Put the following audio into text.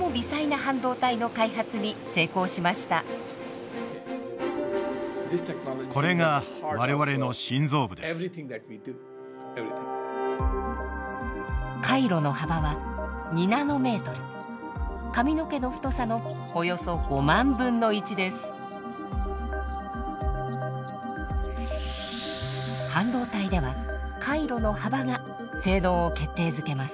半導体では回路の幅が性能を決定づけます。